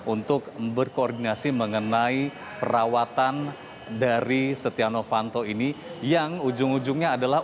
untuk berkoordinasi mengenai perawatan dari setia novanto ini yang ujung ujungnya adalah